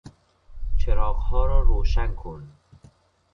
چراغها را روشن کن!